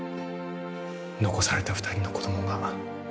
残された２人の子どもが